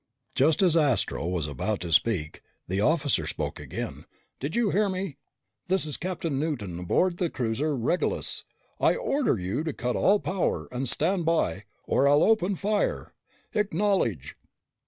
Just as Astro was about to speak, the officer spoke again. "Did you hear me? This is Captain Newton aboard the cruiser Regulus! I order you to cut all power and stand by or I'll open fire! Acknowledge!"